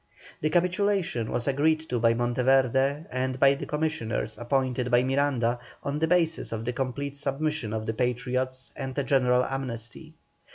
The capitulation was agreed to by Monteverde, and by the commissioners appointed by Miranda, on the basis of the complete submission of the Patriots and a general amnesty.